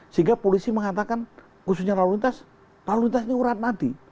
sehingga polisi mengatakan khususnya lalu lintas ini urat nadi